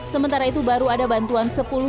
sementara itu baru ada bantuan sepuluh